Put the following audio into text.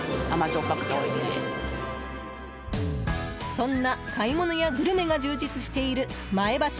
そんな買い物やグルメが充実しているまえばし